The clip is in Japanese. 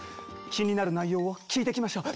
気になる内容を聞いてきましょう。